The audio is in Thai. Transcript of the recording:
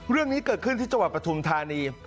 เรื่องนี้เกิดขึ้นที่จังหวัดปฐุมธานี